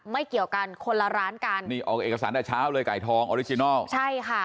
เกี่ยวกันคนละร้านกันนี่ออกเอกสารแต่เช้าเลยไก่ทองออริจินัลใช่ค่ะ